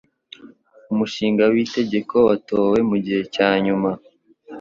Umushinga w'itegeko watowe mugihe cyanyuma.